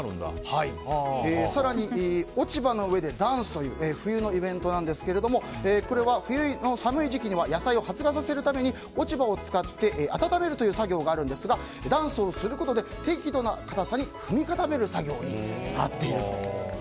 更に落ち葉の上でダンスという冬のイベントはこれは冬の寒い時期には野菜を発芽させるために落ち葉を使って温めるという作業があるんですがダンスをすることで適度な硬さに踏み固める作業になっていると。